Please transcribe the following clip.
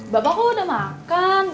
bapakku udah makan